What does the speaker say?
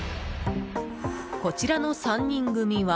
こちらの３人組は。